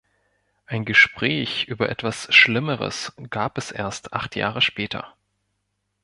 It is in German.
Ein Gespräch über etwas „Schlimmeres“ gab es erst acht Jahre später.